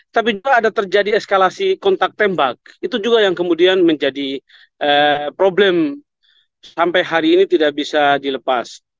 tapi juga ada terjadi eskalasi kontak tembak itu juga yang kemudian menjadi problem sampai hari ini tidak bisa dilepas